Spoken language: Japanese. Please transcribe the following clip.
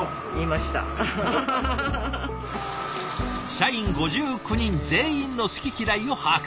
社員５９人全員の好き嫌いを把握。